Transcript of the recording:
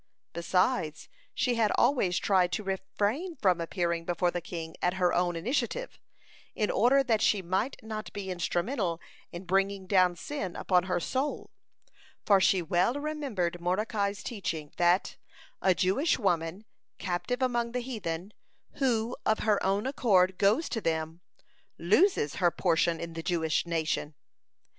(133) Besides, she had always tried to refrain from appearing before the king at her own initiative, in order that she might not be instrumental in bringing down sin upon her soul, for she well remembered Mordecai's teaching, that "a Jewish woman, captive among the heathen, who of her own accord goes to them, loses her portion in the Jewish nation."